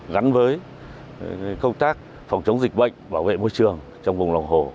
gắn với công tác phòng chống dịch bệnh bảo vệ môi trường trong vùng lòng hồ